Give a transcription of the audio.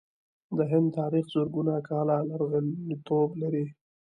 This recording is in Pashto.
د هند تاریخ زرګونه کاله لرغونتوب لري.